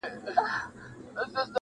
پښتنو واورئ! ډوبېږي بېړۍ ورو ورو٫